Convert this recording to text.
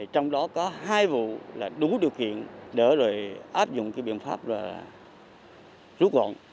trong đó có hai vụ đủ điều kiện để áp dụng biện pháp rút gọn